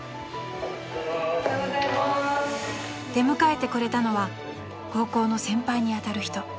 ［出迎えてくれたのは高校の先輩に当たる人］